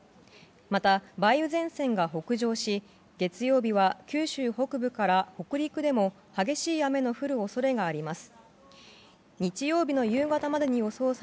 また、梅雨前線が北上し月曜日は九州北部から北陸でも激しい雨の降る恐れがあります。